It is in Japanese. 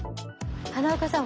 花岡さん